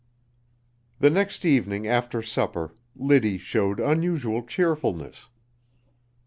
The next evening after supper Liddy showed unusual cheerfulness.